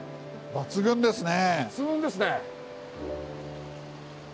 抜群ですね。